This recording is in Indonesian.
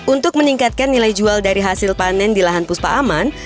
untuk meningkatkan nilai jual dari hasil panen di lahan puspa aman